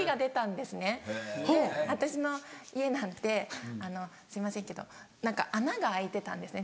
で私の家なんてあのすいませんけど何か穴が開いてたんですね